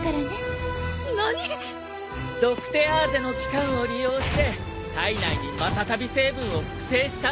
ドクテアーゼの器官を利用して体内にマタタビ成分を複製したんだ。